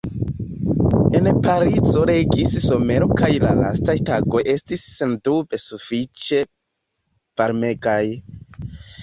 En Parizo regis somero kaj la lastaj tagoj estis sendube sufiĉe varmegaj.